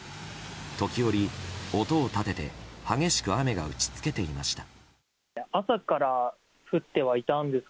時折、音を立てて激しく雨が打ち付けていました。